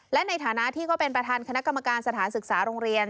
และในฐานะที่เขาเป็นประธานคณะกรรมการสถานศึกษาโรงเรียน